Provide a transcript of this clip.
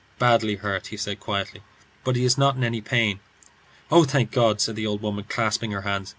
"Badly hurt," he said, quietly, "but he is not in any pain." "Oh, thank God!" said the old woman, clasping her hands.